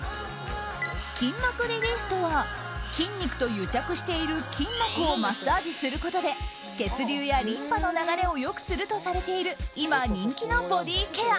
筋膜リリースとは筋肉と癒着している筋膜をマッサージすることで血流やリンパの流れを良くするとされている今、人気のボディーケア。